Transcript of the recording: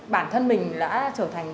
bản thân mình đã trở thành